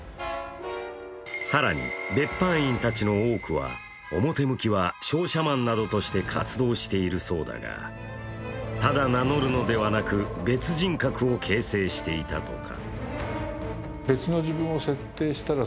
更に、別班員たちの多くは表向きは商社マンなどとして活動しているそうだがただ名乗るのではなく別人格を形成していたとか。